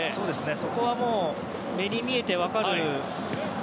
そこは目に見えて分かりますね。